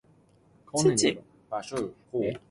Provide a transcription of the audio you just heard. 無論個世道幾唔好